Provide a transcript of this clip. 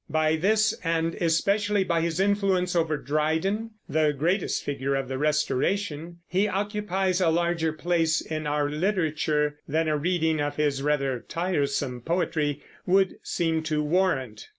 By this, and especially by his influence over Dryden, the greatest figure of the Restoration, he occupies a larger place in our literature than a reading of his rather tiresome poetry would seem to warrant.